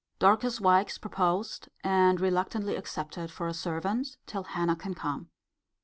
Dorcas Wykes proposed, and reluctantly accepted for a servant, till Hannah can come.